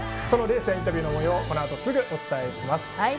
そのレースやインタビューのもようこのあとすぐお伝えします。